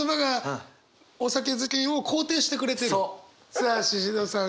さあシシドさん